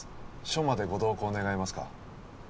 署までご同行願えますか？